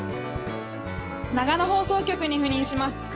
長野放送局に赴任します